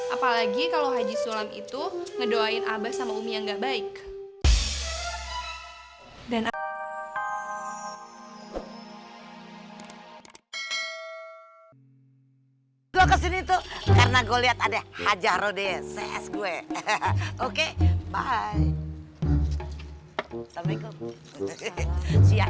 apalagi kalau haji sulam itu ngedoain aba sama umi yang gak baik